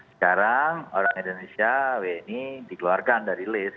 sekarang orang indonesia wni dikeluarkan dari list